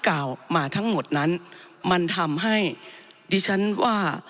กล่าวมาทั้งหมดนั้นมันทำให้ดิฉันว่า